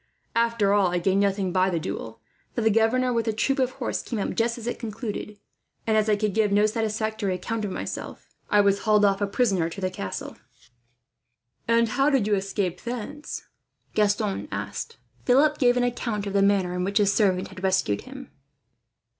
"After all, I gained nothing by the duel; for the governor, with a troop of horse, came up just as it concluded, and as I could give no satisfactory account of myself, I was hauled off a prisoner to the castle." "And how did you escape thence?" Gaston asked. Philip gave an account of the manner in which his servant had rescued him.